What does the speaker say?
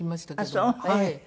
ああそう。